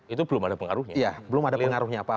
itu belum ada pengaruhnya